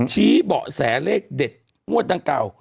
ชี้เบาะแสเลขเด็ดงวดดังกล่าว